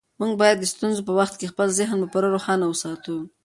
موږ باید د ستونزو په وخت کې خپل ذهن پوره روښانه وساتو.